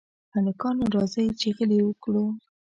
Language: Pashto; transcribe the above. هلکانو! راځئ چې غېلې وکړو.